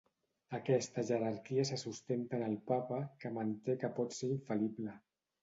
Aquesta jerarquia se sustenta en el Papa, que manté que pot ser infal·lible.